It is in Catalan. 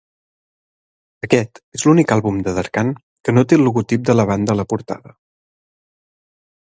Aquest és l'únic àlbum de Darkane que no té el logotip de la banda a la portada.